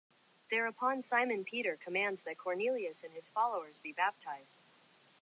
Thereupon Simon Peter commands that Cornelius and his followers be baptized.